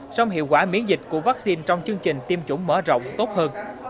song hiệu quả miễn dịch của vaccine trong chương trình tiêm chủng mở rộng tốt hơn